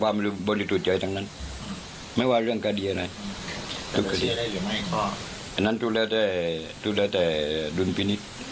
ผมก็คิดเหมือนกับกับคุณคิด